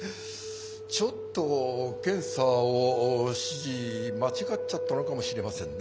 ちょっと検査を指示間違っちゃったのかもしれませんね。